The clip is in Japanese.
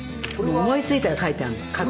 思いついたら書いてあんの。